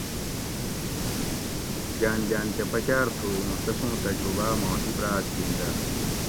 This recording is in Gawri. مُوں گاۤن گاۤن کہ پکاۤر تھو اُوں تسوں تجرباۤ ما عِبراۤت گِندہ